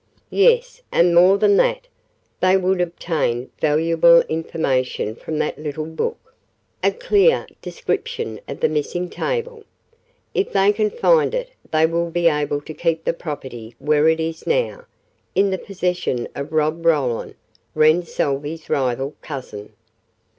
"Yes, and more than that. They would obtain valuable information from that little book a clear description of the missing table. If they can find it they will be able to keep the property where it is now in the possession of Rob Roland, Wren Salvey's rival cousin."